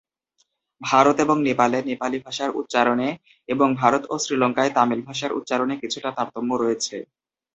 ভারত এবং নেপালে নেপালি ভাষার উচ্চারণে, এবং ভারত ও শ্রীলঙ্কায় তামিল ভাষার উচ্চারণে কিছুটা তারতম্য রয়েছে।